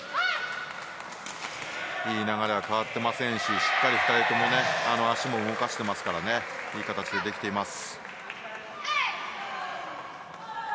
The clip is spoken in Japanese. いい流れは変わっていませんししっかり２人とも足も動かしていますからいい形でできています。